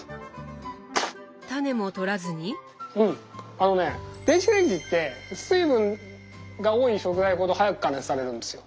あのね電子レンジって水分が多い食材ほど早く加熱されるんですよ。